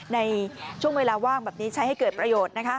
ในช่วงเวลาว่างแบบนี้ใช้ให้เกิดประโยชน์